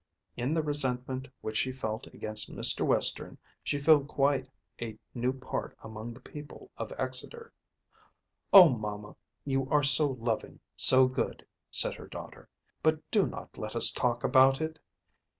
In the resentment which she felt against Mr. Western she filled quite a new part among the people of Exeter. "Oh, mamma; you are so loving, so good," said her daughter; "but do not let us talk about it!